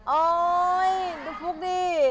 โอ้ดูพุกดิ